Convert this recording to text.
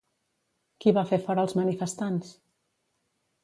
Qui va fer fora als manifestants?